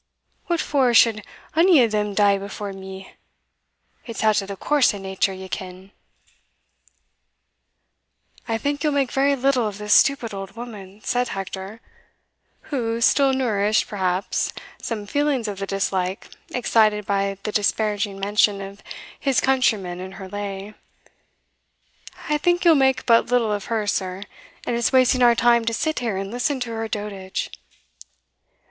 What for should ony o' them dee before me? it's out o' the course o' nature, ye ken." "I think you'll make very little of this stupid old woman," said Hector, who still nourished, perhaps, some feelings of the dislike excited by the disparaging mention of his countrymen in her lay "I think you'll make but little of her, sir; and it's wasting our time to sit here and listen to her dotage."